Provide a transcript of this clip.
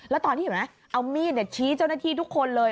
แล้วตอนที่เห็นไหมเอามีดชี้เจ้าหน้าที่ทุกคนเลย